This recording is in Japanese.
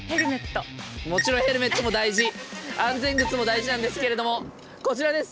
もちろんヘルメットも大事安全靴も大事なんですけれどもこちらです。